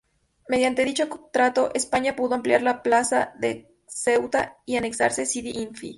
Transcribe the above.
Mediante dicho tratado, España pudo ampliar la plaza de Ceuta y anexionarse Sidi Ifni.